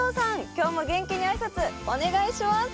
今日も元気に挨拶お願いします。